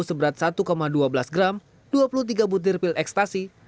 seberat satu dua belas gram dua puluh tiga butir pil ekstasi